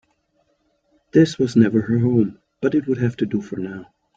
This was never her home, but it would have to do for now.